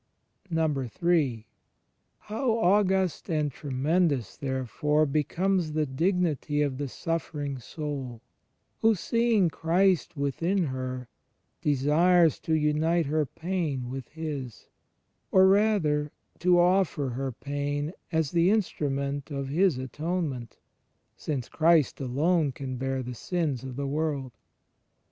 in. How august and tremendous, therefore, becomes the dignity of the suiffering soul, who, seeing Christ within her, desires to unite her pain with His, or, rather, to offer her pain as the instrtmient of His atonement, since Christ alone can bear the sins of the world